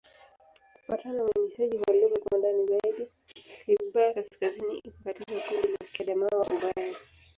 Kufuatana na uainishaji wa lugha kwa ndani zaidi, Kigbaya-Kaskazini iko katika kundi la Kiadamawa-Ubangi.